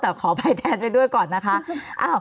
แต่ขออภัยแทนไปด้วยก่อนนะคะ